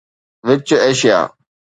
which Asia